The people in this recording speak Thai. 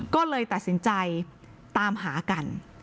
ก็เลยตัดสินใจตามหากัน